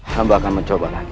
kamu akan mencoba lagi